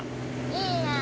いいねえ！